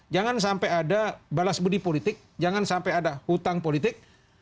jangan sampai ada balas budi politik jangan sampai ada hutang politik